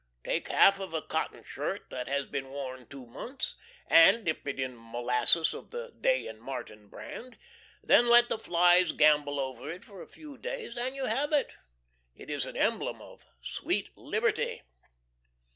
Take half of a cotton shirt, that has been worn two months, and dip it in molasses of the Day & Martin brand. Then let the flies gambol over it for a few days, and you have it. It is an emblem of Sweet Liberty.